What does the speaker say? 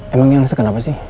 emang yang sekenapa sih